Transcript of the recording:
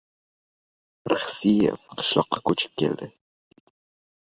Rixsiyev qishloqqa ko‘chib keldi.